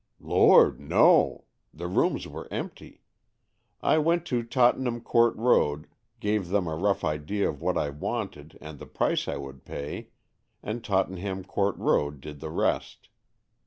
" Lord, no ! The rooms were empty. I went to Tottenham Court Road, gave them a rough idea of what I wanted and the price I would pay, and Tottenham Court Road did the rest.